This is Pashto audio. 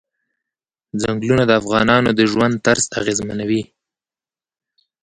ځنګلونه د افغانانو د ژوند طرز اغېزمنوي.